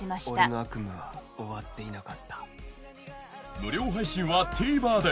無料配信は ＴＶｅｒ で